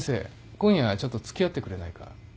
今夜ちょっとつきあってくれないか？